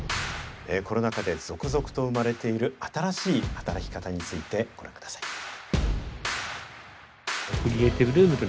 コロナ禍で続々と生まれている新しい働き方についてご覧ください。